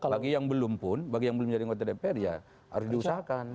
bagi yang belum pun bagi yang belum jadi anggota dpr ya harus diusahakan